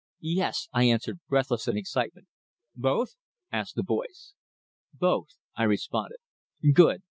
"Yes," I answered, breathless in excitement. "Both?" asked the voice. "Both," I responded. "Good.